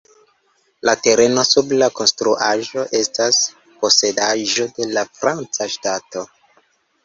La tereno sub la konstruaĵo estas posedaĵo de la franca ŝtato.